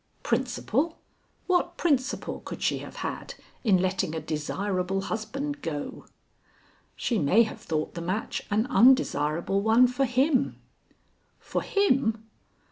"Principle? What principle could she have had in letting a desirable husband go?" "She may have thought the match an undesirable one for him." "For him?